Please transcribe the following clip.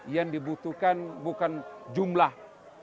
yang dibutuhkan bukan jumlah